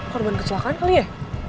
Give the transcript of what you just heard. korban kecelakaan kali ya